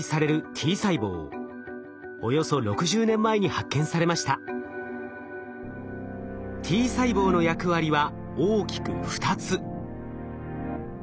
Ｔ細胞の役割は大きく２つ。